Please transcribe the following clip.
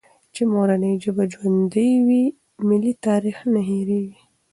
چي مورنۍ ژبه ژوندۍ وي، ملي تاریخ نه هېرېږي.